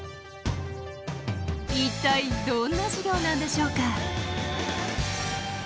一体どんな授業なんでしょうか。